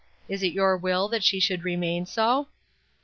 Is it your will that she should remain so?"